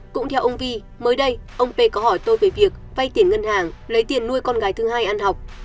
cũng theo ông vi mới đây ông p có hỏi tôi về việc vay tiền ngân hàng lấy tiền nuôi con gái thứ hai ăn học